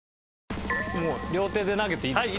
もう両手で投げていいですか？